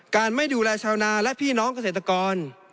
ไม่ดูแลชาวนาและพี่น้องเกษตรกร